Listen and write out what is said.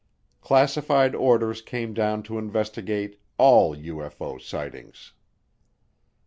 Classified orders came down to investigate all UFO sightings.